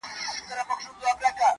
ه ته خپه د ستړي ژوند له شانه نه يې~